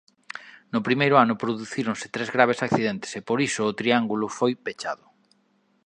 No primeiro ano producíronse tres graves accidentes e por iso o triángulo foi pechado.